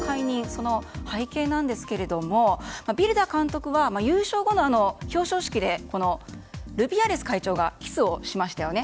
その背景なんですけどもビルダ監督は優勝後の表彰式でルビアレス会長がキスをしましたよね。